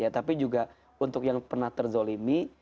tapi juga untuk yang pernah terzolimi